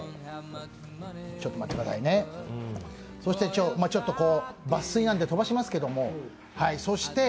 そしてちょっと抜粋なんで飛ばしますけども。